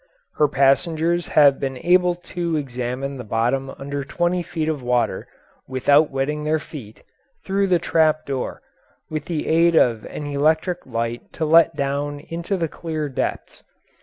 Her passengers have been able to examine the bottom under twenty feet of water (without wetting their feet), through the trap door, with the aid of an electric light let down into the clear depths.